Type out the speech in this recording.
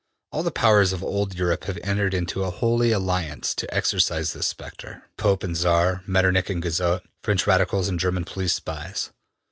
All the Powers of old Europe have entered into a holy alliance to exorcise this spectre Pope and Czar, Metternich and Guizot, French Radicals and German police spies.